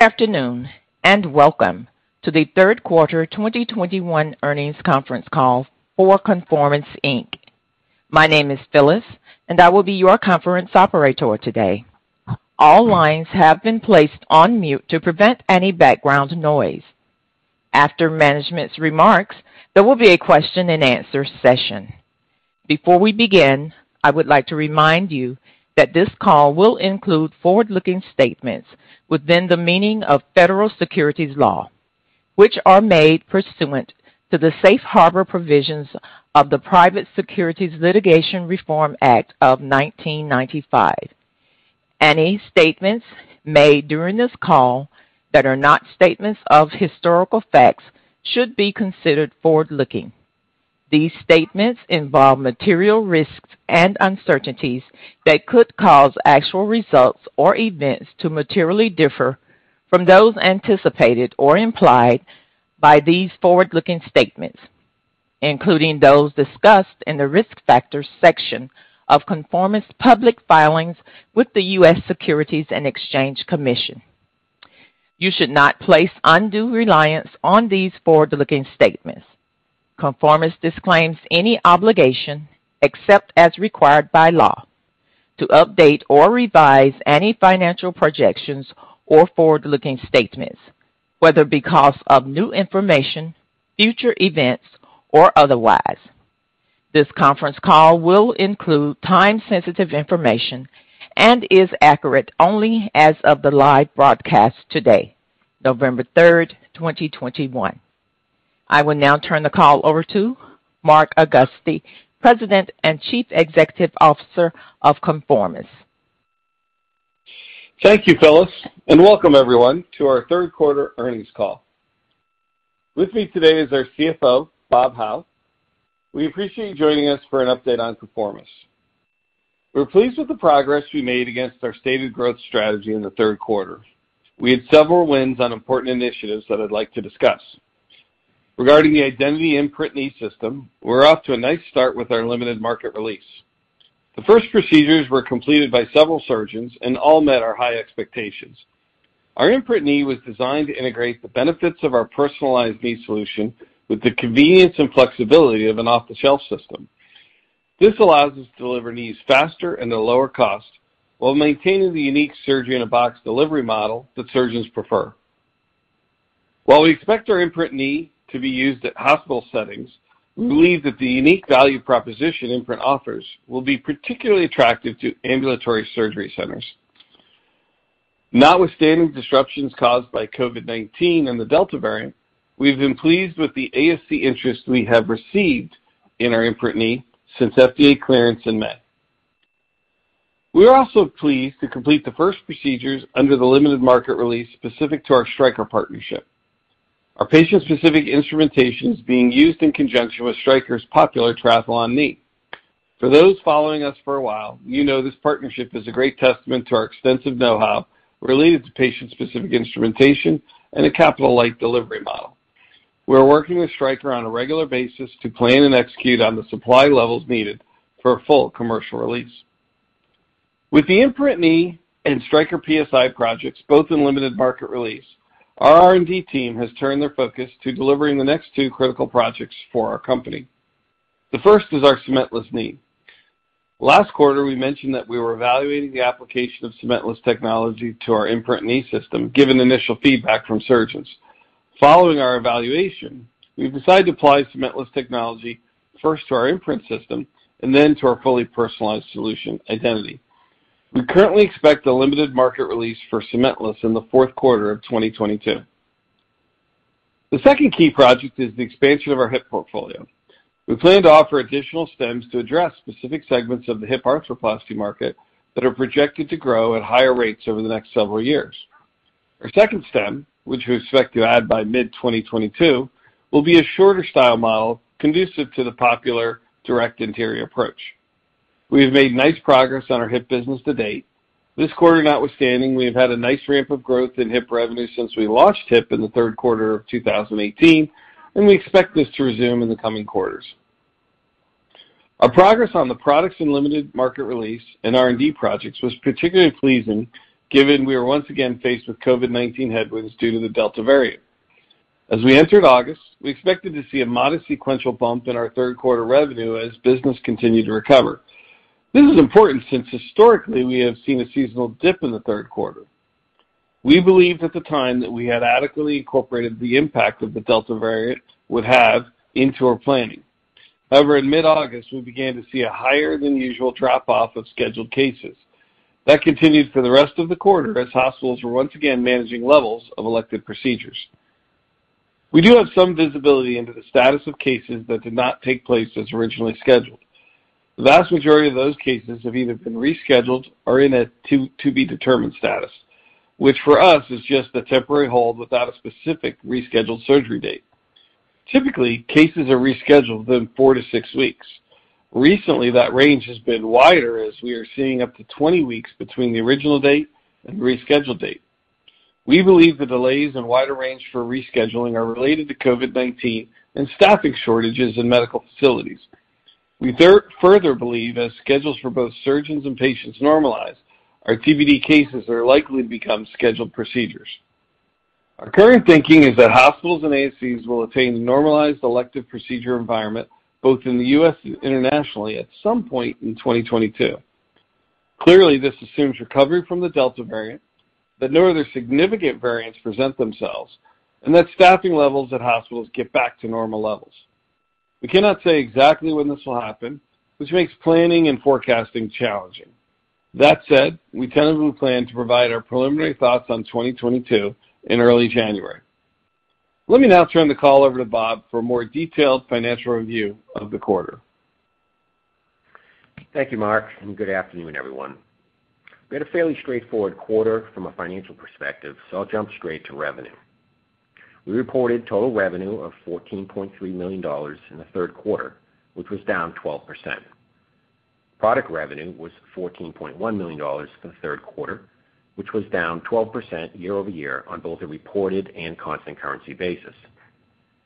Afternoon. Welcome to the third quarter 2021 earnings conference call for ConforMIS, Inc. My name is Phyllis, and I will be your conference operator today. All lines have been placed on mute to prevent any background noise. After management's remarks, there will be a question-and-answer session. Before we begin, I would like to remind you that this call will include forward-looking statements within the meaning of federal securities law, which are made pursuant to the safe harbor provisions of the Private Securities Litigation Reform Act of 1995. Any statements made during this call that are not statements of historical facts should be considered forward-looking. These statements involve material risks and uncertainties that could cause actual results or events to materially differ from those anticipated or implied by these forward-looking statements, including those discussed in the Risk Factors section of ConforMIS' public filings with the U.S. Securities and Exchange Commission. You should not place undue reliance on these forward-looking statements. ConforMIS disclaims any obligation, except as required by law, to update or revise any financial projections or forward-looking statements, whether because of new information, future events, or otherwise. This conference call will include time-sensitive information and is accurate only as of the live broadcast today, November 3rd, 2021. I will now turn the call over to Mark Augusti, President and Chief Executive Officer of ConforMIS. Thank you, Phyllis, and welcome everyone to our third quarter earnings call. With me today is our CFO, Bob Howe. We appreciate you joining us for an update on ConforMIS. We're pleased with the progress we made against our stated growth strategy in the third quarter. We had several wins on important initiatives that I'd like to discuss. Regarding the Identity Imprint Knee system, we're off to a nice start with our limited market release. The first procedures were completed by several surgeons, and all met our high expectations. Our Imprint Knee was designed to integrate the benefits of our personalized knee solution with the convenience and flexibility of an off-the-shelf system. This allows us to deliver knees faster and at a lower cost while maintaining the unique Surgery-in-a-Box delivery model that surgeons prefer. While we expect our Imprint Knee to be used at hospital settings, we believe that the unique value proposition Imprint offers will be particularly attractive to ambulatory surgery centers. Notwithstanding disruptions caused by COVID-19 and the Delta variant, we've been pleased with the ASC interest we have received in our Imprint Knee since FDA clearance in May. We are also pleased to complete the first procedures under the limited market release specific to our Stryker partnership. Our patient-specific instrumentation is being used in conjunction with Stryker's popular Triathlon knee. For those following us for a while, you know this partnership is a great testament to our extensive know-how related to patient-specific instrumentation and a capital-light delivery model. We're working with Stryker on a regular basis to plan and execute on the supply levels needed for a full commercial release. With the Imprint Knee and Stryker PSI projects both in limited market release, our R&D team has turned their focus to delivering the next two critical projects for our company. The first is our cementless knee. Last quarter, we mentioned that we were evaluating the application of cementless technology to our Imprint Knee system, given initial feedback from surgeons. Following our evaluation, we've decided to apply cementless technology first to our Imprint system and then to our fully personalized solution, Identity. We currently expect a limited market release for cementless in the fourth quarter of 2022. The second key project is the expansion of our hip portfolio. We plan to offer additional stems to address specific segments of the hip arthroplasty market that are projected to grow at higher rates over the next several years. Our second stem, which we expect to add by mid-2022, will be a shorter style model conducive to the popular direct anterior approach. We have made nice progress on our hip business to date. This quarter notwithstanding, we have had a nice ramp of growth in hip revenue since we launched hip in the third quarter of 2018, and we expect this to resume in the coming quarters. Our progress on the products and limited market release and R&D projects was particularly pleasing given we are once again faced with COVID-19 headwinds due to the Delta variant. As we entered August, we expected to see a modest sequential bump in our third quarter revenue as business continued to recover. This is important since historically we have seen a seasonal dip in the third quarter. We believed at the time that we had adequately incorporated the impact that the Delta variant would have into our planning. However, in mid-August, we began to see a higher than usual drop-off of scheduled cases. That continued for the rest of the quarter as hospitals were once again managing levels of elective procedures. We do have some visibility into the status of cases that did not take place as originally scheduled. The vast majority of those cases have either been rescheduled or are in a to-be-determined status, which for us is just a temporary hold without a specific rescheduled surgery date. Typically, cases are rescheduled within four to six weeks. Recently, that range has been wider as we are seeing up to 20 weeks between the original date and rescheduled date. We believe the delays and wider range for rescheduling are related to COVID-19 and staffing shortages in medical facilities. We further believe as schedules for both surgeons and patients normalize, our TBD cases are likely to become scheduled procedures. Our current thinking is that hospitals and ASCs will attain a normalized elective procedure environment both in the U.S. and internationally at some point in 2022. Clearly, this assumes recovery from the Delta variant, that no other significant variants present themselves, and that staffing levels at hospitals get back to normal levels. We cannot say exactly when this will happen, which makes planning and forecasting challenging. That said, we tentatively plan to provide our preliminary thoughts on 2022 in early January. Let me now turn the call over to Bob for a more detailed financial review of the quarter. Thank you, Mark, and good afternoon, everyone. We had a fairly straightforward quarter from a financial perspective, so I'll jump straight to revenue. We reported total revenue of $14.3 million in the third quarter, which was down 12%. Product revenue was $14.1 million for the third quarter, which was down 12% year-over-year on both a reported and constant currency basis.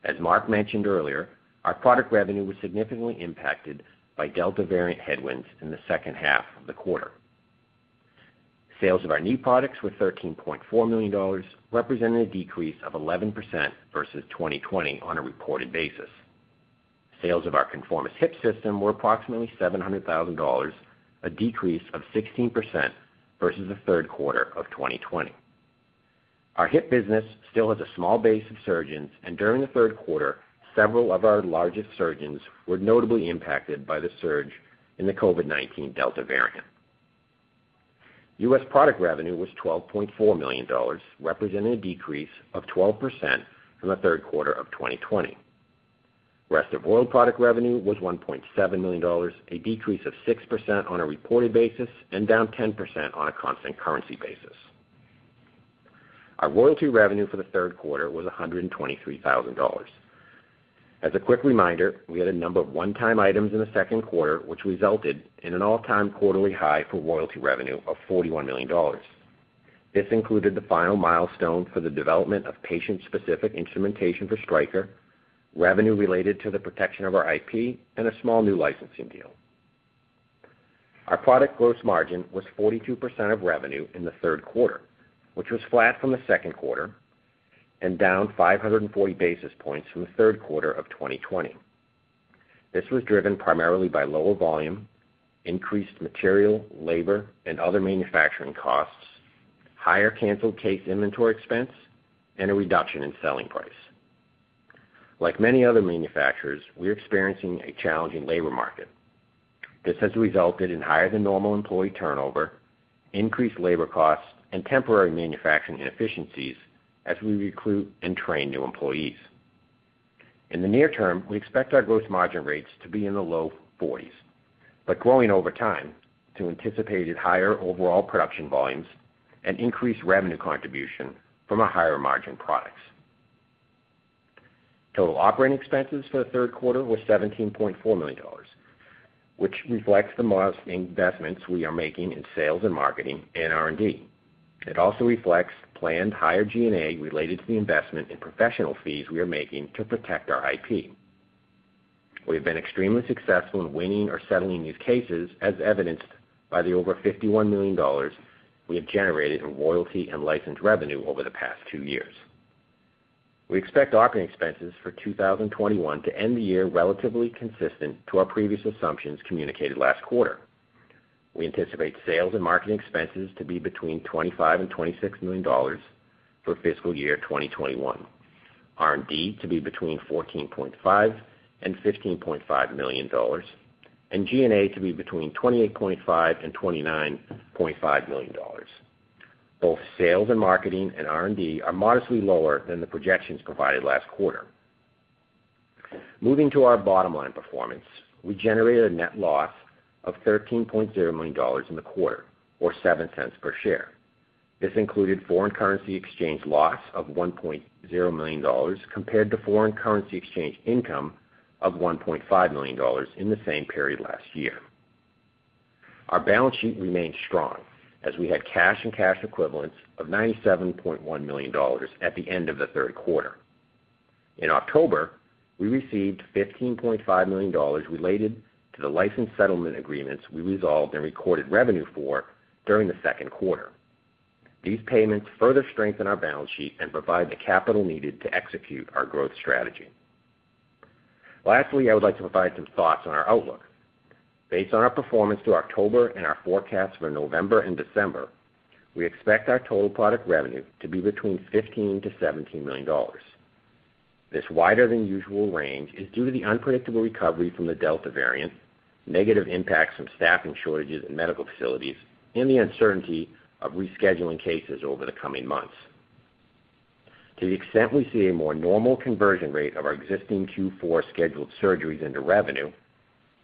As Mark mentioned earlier, our product revenue was significantly impacted by Delta variant headwinds in the second half of the quarter. Sales of our new products were $13.4 million, representing a decrease of 11% versus 2020 on a reported basis. Sales of our ConforMIS Hip System were approximately $700,000, a decrease of 16% versus the third quarter of 2020. Our hip business still has a small base of surgeons, and during the third quarter, several of our largest surgeons were notably impacted by the surge in the COVID-19 Delta variant. U.S. product revenue was $12.4 million, representing a decrease of 12% from the third quarter of 2020. Rest of world product revenue was $1.7 million, a decrease of 6% on a reported basis and down 10% on a constant currency basis. Our royalty revenue for the third quarter was $123,000. As a quick reminder, we had a number of one-time items in the second quarter which resulted in an all-time quarterly high for royalty revenue of $41 million. This included the final milestone for the development of patient-specific instrumentation for Stryker, revenue related to the protection of our IP, and a small new licensing deal. Our product gross margin was 42% of revenue in the third quarter, which was flat from the second quarter and down 540 basis points from the third quarter of 2020. This was driven primarily by lower volume, increased material, labor, and other manufacturing costs, higher canceled case inventory expense, and a reduction in selling price. Like many other manufacturers, we're experiencing a challenging labor market. This has resulted in higher than normal employee turnover, increased labor costs, and temporary manufacturing inefficiencies as we recruit and train new employees. In the near term, we expect our gross margin rates to be in the low 40s, but growing over time to anticipated higher overall production volumes and increased revenue contribution from higher margin products. Total operating expenses for the third quarter were $17.4 million, which reflects the modest investments we are making in sales and marketing and R&D. It also reflects planned higher G&A related to the investment in professional fees we are making to protect our IP. We have been extremely successful in winning or settling these cases as evidenced by the over $51 million we have generated in royalty and license revenue over the past two years. We expect operating expenses for 2021 to end the year relatively consistent to our previous assumptions communicated last quarter. We anticipate sales and marketing expenses to be between $25 million-$26 million for fiscal year 2021. R&D to be between $14.5 million-$15.5 million. G&A to be between $28.5 million-$29.5 million. Both sales and marketing and R&D are modestly lower than the projections provided last quarter. Moving to our bottom line performance, we generated a net loss of $13 million in the quarter or $0.07 per share. This included foreign currency exchange loss of $1 million compared to foreign currency exchange income of $1.5 million in the same period last year. Our balance sheet remained strong as we had cash and cash equivalents of $97.1 million at the end of the third quarter. In October, we received $15.5 million related to the license settlement agreements we resolved and recorded revenue for during the second quarter. These payments further strengthen our balance sheet and provide the capital needed to execute our growth strategy. Lastly, I would like to provide some thoughts on our outlook. Based on our performance through October and our forecast for November and December, we expect our total product revenue to be between $15 million-$17 million. This wider than usual range is due to the unpredictable recovery from the Delta variant, negative impacts from staffing shortages in medical facilities, and the uncertainty of rescheduling cases over the coming months. To the extent we see a more normal conversion rate of our existing Q4 scheduled surgeries into revenue,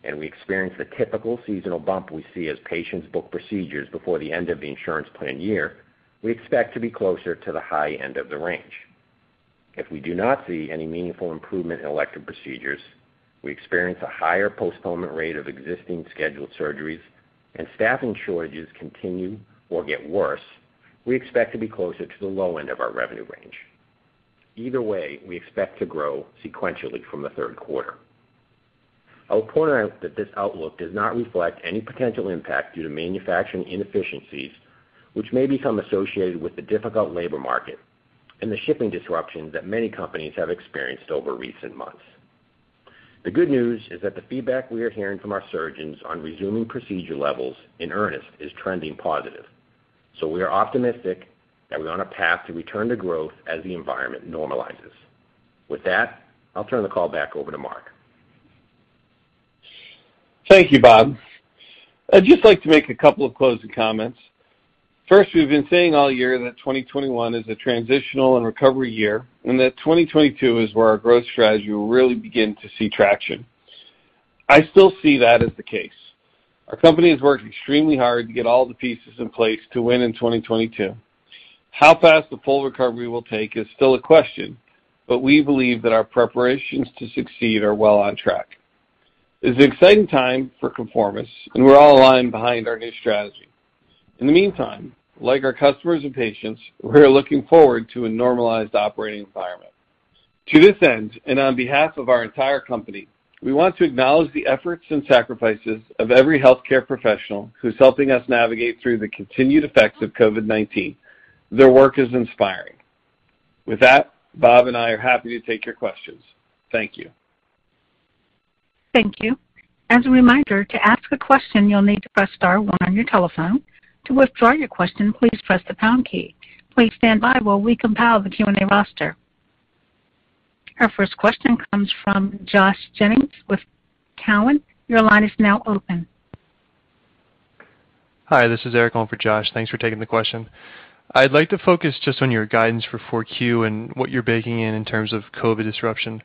and we experience the typical seasonal bump we see as patients book procedures before the end of the insurance plan year, we expect to be closer to the high end of the range. If we do not see any meaningful improvement in elective procedures, we experience a higher postponement rate of existing scheduled surgeries and staffing shortages continue or get worse, we expect to be closer to the low end of our revenue range. Either way, we expect to grow sequentially from the third quarter. I will point out that this outlook does not reflect any potential impact due to manufacturing inefficiencies, which may become associated with the difficult labor market and the shipping disruptions that many companies have experienced over recent months. The good news is that the feedback we are hearing from our surgeons on resuming procedure levels in earnest is trending positive. We are optimistic that we're on a path to return to growth as the environment normalizes. With that, I'll turn the call back over to Mark. Thank you, Bob. I'd just like to make a couple of closing comments. First, we've been saying all year that 2021 is a transitional and recovery year, and that 2022 is where our growth strategy will really begin to see traction. I still see that as the case. Our company has worked extremely hard to get all the pieces in place to win in 2022. How fast the full recovery will take is still a question, but we believe that our preparations to succeed are well on track. It's an exciting time for ConforMIS, and we're all aligned behind our new strategy. In the meantime, like our customers and patients, we are looking forward to a normalized operating environment. To this end, and on behalf of our entire company, we want to acknowledge the efforts and sacrifices of every healthcare professional who's helping us navigate through the continued effects of COVID-19. Their work is inspiring. With that, Bob and I are happy to take your questions. Thank you. Thank you. As a reminder, to ask a question, you'll need to press star one on your telephone. To withdraw your question, please press the pound key. Please stand by while we compile the Q&A roster. Our first question comes from Josh Jennings with Cowen. Your line is now open. Hi, this is Eric on for Josh. Thanks for taking the question. I'd like to focus just on your guidance for Q4 and what you're baking in in terms of COVID disruption.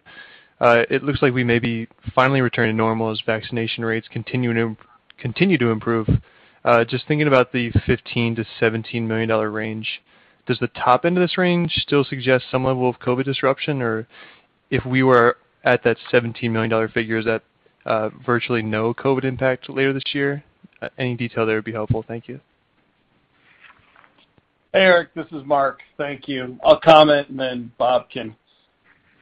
It looks like we may be finally returning to normal as vaccination rates continue to improve. Just thinking about the $15 million-$17 million range, does the top end of this range still suggest some level of COVID disruption? Or if we were at that $17 million figure, is that virtually no COVID impact later this year? Any detail there would be helpful. Thank you. Hey, Eric, this is Mark. Thank you. I'll comment and then Bob can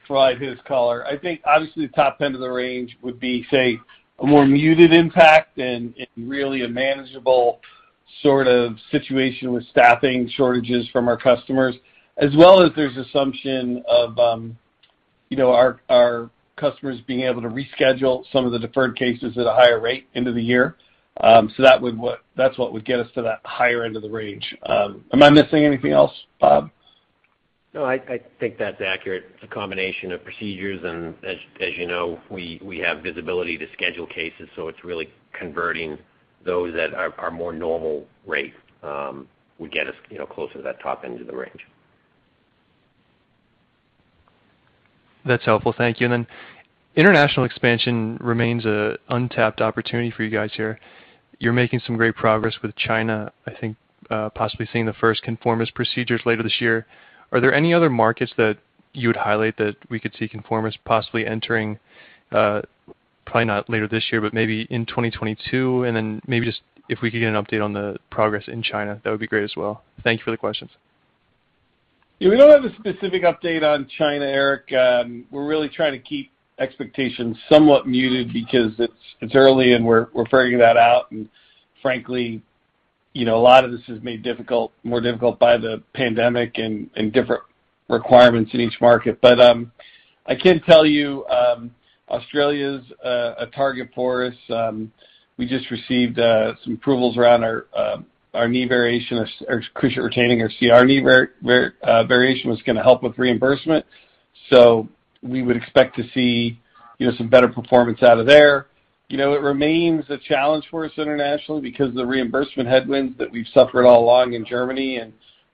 provide his color. I think obviously the top end of the range would be, say, a more muted impact and really a manageable sort of situation with staffing shortages from our customers, as well as there's assumption of, you know, our customers being able to reschedule some of the deferred cases at a higher rate into the year. So that that's what would get us to that higher end of the range. Am I missing anything else, Bob? No, I think that's accurate. It's a combination of procedures and as you know, we have visibility to schedule cases, so it's really converting those at our more normal rate would get us, you know, closer to that top end of the range. That's helpful. Thank you. International expansion remains an untapped opportunity for you guys here. You're making some great progress with China, I think, possibly seeing the first ConforMIS procedures later this year. Are there any other markets that you would highlight that we could see ConforMIS possibly entering, probably not later this year, but maybe in 2022? Maybe just if we could get an update on the progress in China, that would be great as well. Thank you for the questions. Yeah, we don't have a specific update on China, Eric. We're really trying to keep expectations somewhat muted because it's early and we're figuring that out. Frankly, you know, a lot of this is made difficult, more difficult by the pandemic and different requirements in each market. I can tell you, Australia is a target for us. We just received some approvals around our knee variation or cruciate-retaining or CR knee variation was gonna help with reimbursement. We would expect to see, you know, some better performance out of there. You know, it remains a challenge for us internationally because the reimbursement headwinds that we've suffered all along in Germany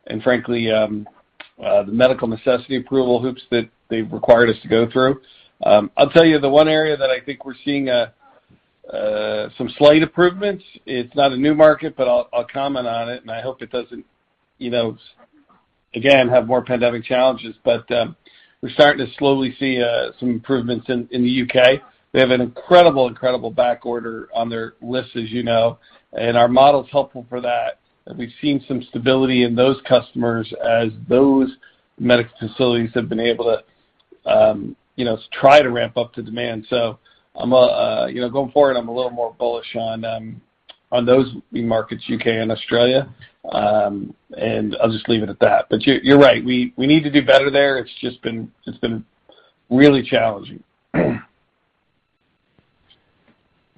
and frankly, the medical necessity approval hoops that they've required us to go through. I'll tell you the one area that I think we're seeing some slight improvements. It's not a new market, but I'll comment on it, and I hope it doesn't, you know, again, have more pandemic challenges. We're starting to slowly see some improvements in the U.K. They have an incredible backorder on their list, as you know, and our model is helpful for that. We've seen some stability in those customers as those medical facilities have been able to, you know, try to ramp up to demand. I'm, you know, going forward, I'm a little more bullish on those markets, U.K. and Australia. I'll just leave it at that. You're right, we need to do better there. It's just been really challenging.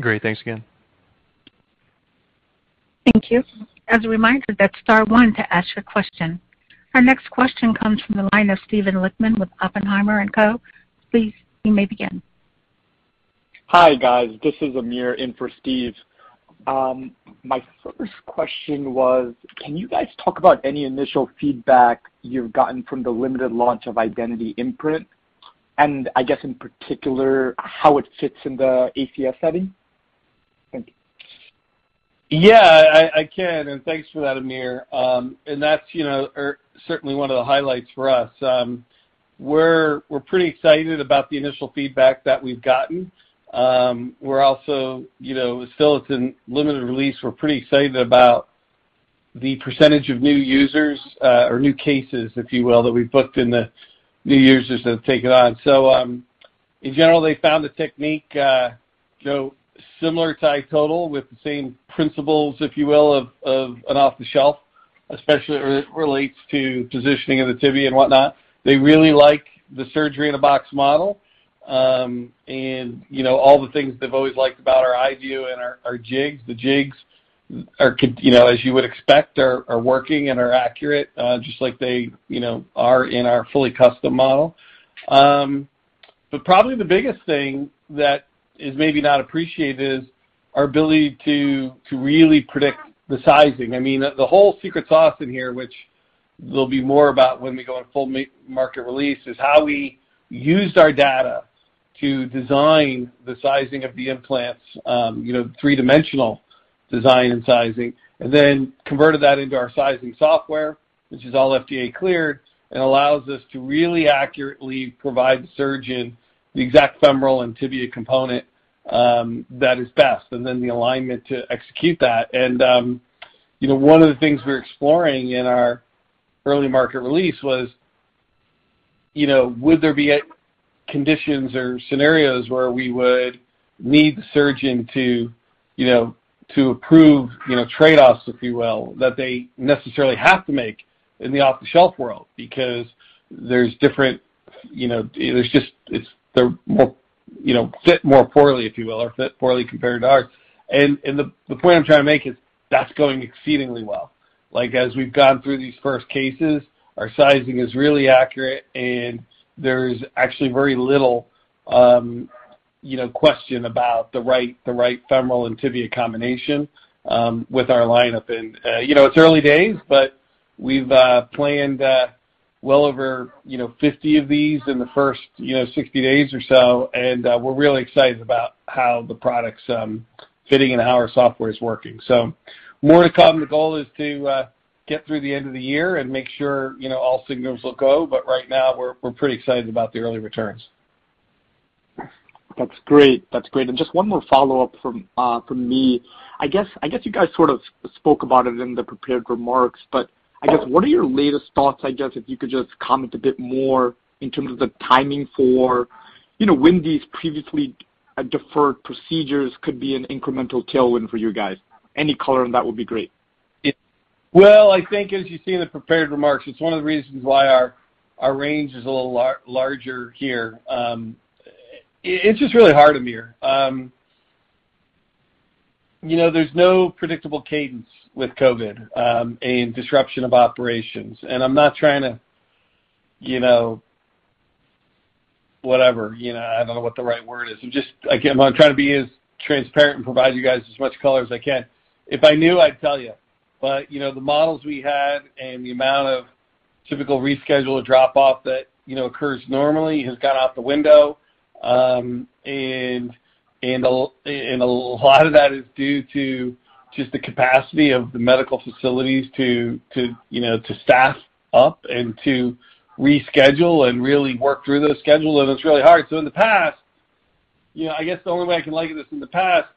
Great. Thanks again. Thank you. As a reminder, that's star one to ask your question. Our next question comes from the line of Steven Lichtman with Oppenheimer & Co. Please, you may begin. Hi, guys. This is Amir in for Steve. My first question was, can you guys talk about any initial feedback you've gotten from the limited launch of Identity Imprint? I guess in particular, how it fits in the ASC setting? Thank you. Yeah, I can. Thanks for that, Amir. That's, you know, certainly one of the highlights for us. We're pretty excited about the initial feedback that we've gotten. We're also, you know, it's still in limited release. We're pretty excited about the percentage of new users, or new cases, if you will, that we've booked in the new users have taken on. In general, they found the technique, you know, similar to iTotal with the same principles, if you will, of an off-the-shelf, especially as it relates to positioning of the tibia and whatnot. They really like the Surgery-in-a-Box model. You know, all the things they've always liked about our iDuo and our jigs. The jigs are, you know, as you would expect, are working and are accurate, just like they, you know, are in our fully custom model. Probably the biggest thing that is maybe not appreciated is our ability to really predict the sizing. I mean, the whole secret sauce in here, which there'll be more about when we go on full market release, is how we used our data to design the sizing of the implants, you know, three-dimensional design and sizing, and then converted that into our sizing software, which is all FDA cleared and allows us to really accurately provide the surgeon the exact femoral and tibia component, that is best, and then the alignment to execute that. You know, one of the things we're exploring in our early market release was, you know, would there be conditions or scenarios where we would need the surgeon to, you know, to approve, you know, trade-offs, if you will, that they necessarily have to make in the off-the-shelf world because there's different, you know, there's just, it's, they're more, you know, fit more poorly, if you will, or fit poorly compared to ours. The point I'm trying to make is that's going exceedingly well. Like, as we've gone through these first cases, our sizing is really accurate, and there's actually very little question about the right femoral and tibia combination with our lineup. You know, it's early days, but we've planned well over 50 of these in the first 60 days or so, and we're really excited about how the product's fitting and how our software is working. More to come. The goal is to get through the end of the year and make sure you know all signals look good. Right now we're pretty excited about the early returns. That's great. Just one more follow-up from me. I guess you guys sort of spoke about it in the prepared remarks, but I guess what are your latest thoughts, I guess, if you could just comment a bit more in terms of the timing for, you know, when these previously deferred procedures could be an incremental tailwind for you guys. Any color on that would be great. Well, I think as you see in the prepared remarks, it's one of the reasons why our range is a little larger here. It's just really hard, Amir. You know, there's no predictable cadence with COVID and disruption of operations. I'm not trying to, you know, whatever, you know. I don't know what the right word is. I'm just, again, I'm trying to be as transparent and provide you guys as much color as I can. If I knew, I'd tell you. You know, the models we had and the amount of typical reschedule or drop off that, you know, occurs normally has gone out the window. A lot of that is due to just the capacity of the medical facilities to you know, to staff up and to reschedule and really work through those schedules, and it's really hard. In the past, you know, I guess the only way I can liken this in the past,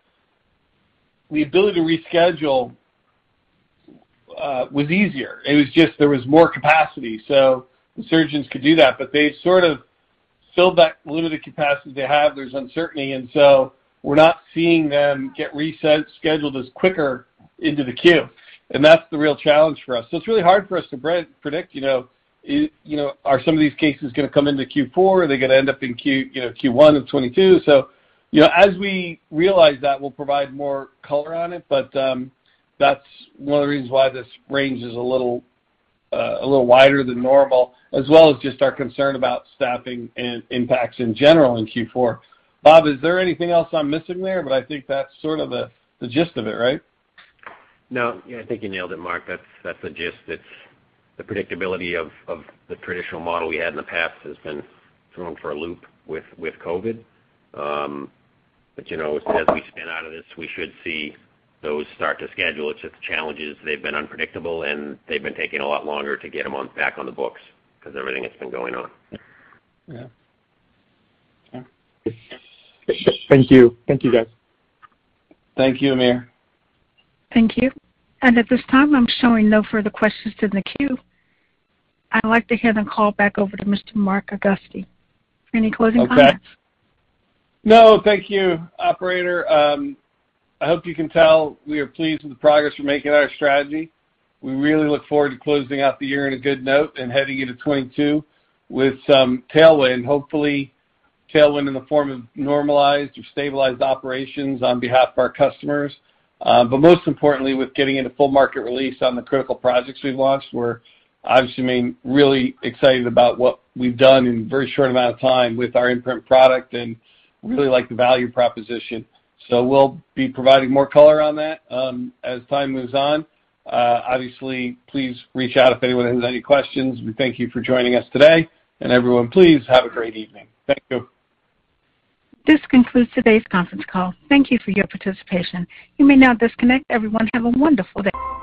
the ability to reschedule was easier. It was just there was more capacity, so the surgeons could do that. They've sort of filled that limited capacity they have. There's uncertainty and so we're not seeing them get rescheduled as quickly into the queue. That's the real challenge for us. It's really hard for us to predict, you know, you know, are some of these cases gonna come into Q4? Are they gonna end up in Q1 of 2022? You know, as we realize that, we'll provide more color on it. That's one of the reasons why this range is a little wider than normal, as well as just our concern about staffing and impacts in general in Q4. Bob, is there anything else I'm missing there? I think that's sort of the gist of it, right? No. Yeah, I think you nailed it, Mark. That's the gist. It's the predictability of the traditional model we had in the past has been thrown for a loop with COVID. But you know, as we spin out of this, we should see those start to schedule. It's just the challenge is they've been unpredictable, and they've been taking a lot longer to get them on, back on the books because everything that's been going on. Yeah. Okay. Thank you. Thank you, guys. Thank you, Amir. Thank you. At this time, I'm showing no further questions in the queue. I'd like to hand the call back over to Mr. Mark Augusti. Any closing comments? Okay. No, thank you, operator. I hope you can tell we are pleased with the progress we're making in our strategy. We really look forward to closing out the year on a good note and heading into 2022 with some tailwind. Hopefully, tailwind in the form of normalized or stabilized operations on behalf of our customers. Most importantly, with getting into full market release on the critical projects we've launched, we're obviously, I mean, really excited about what we've done in a very short amount of time with our Imprint product and really like the value proposition. We'll be providing more color on that, as time moves on. Obviously, please reach out if anyone has any questions. We thank you for joining us today. Everyone, please have a great evening. Thank you. This concludes today's conference call. Thank you for your participation. You may now disconnect. Everyone, have a wonderful day.